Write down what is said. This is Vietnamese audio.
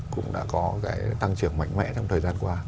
cũng đã có cái tăng trưởng mạnh mẽ trong thời gian qua